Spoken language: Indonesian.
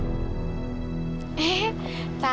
yang anaknya mama itu siapa sih